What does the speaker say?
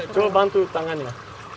coba bantu tangannya